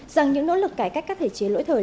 rằng những nỗ lực cải cách các thể chế lỗi thời